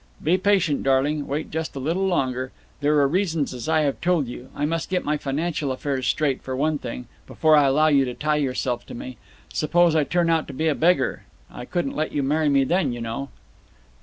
"Be patient, darling, wait just a little longer. There are reasons, as I have told you. I must get my financial affairs straight, for one thing, before I allow you to tie yourself to me. Suppose I turn out to be a beggar? I couldn't let you marry me then, you know."